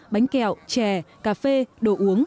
bánh kẹo chè cà phê đồ uống